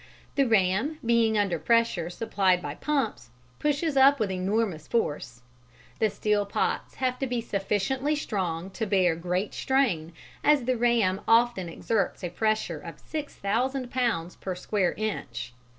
The ram, being under pressure supplied by pumps, pushes up with enormous force. The steel pots have to be sufficiently strong to bear a great strain, as the ram often exerts a pressure of 6,000 pounds per square inch.